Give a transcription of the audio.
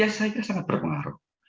ya saya rasa sangat berpengaruh